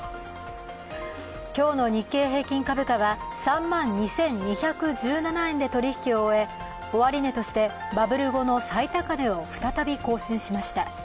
今日の日経平均株価は３万２２１７円で取引を終え終値としてバブル後の最高値を再び更新しました。